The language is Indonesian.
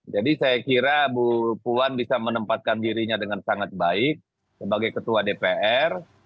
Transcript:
jadi saya kira mbak puan bisa menempatkan dirinya dengan sangat baik sebagai ketua dpr